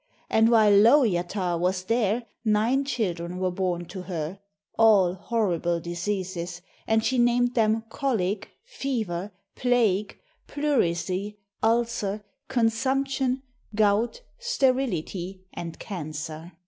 And while Lowjatar was there, nine children were born to her, all horrible diseases, and she named them Colic, Fever, Plague, Pleurisy, Ulcer, Consumption, Gout, Sterility, and Cancer.